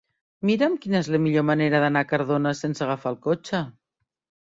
Mira'm quina és la millor manera d'anar a Cardona sense agafar el cotxe.